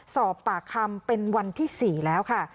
สอบปากคำเป็นวันที่๔แล้วค่ะ